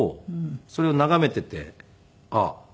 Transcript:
それを眺めていてあっ